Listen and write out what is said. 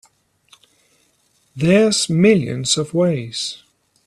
There's millions of ways.